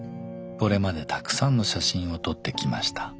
これまでたくさんの写真を撮ってきました。